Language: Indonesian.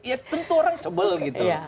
ya tentu orang sebel gitu